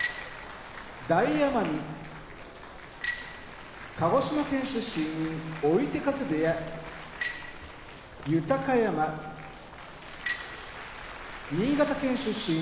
大奄美鹿児島県出身追手風部屋豊山新潟県出身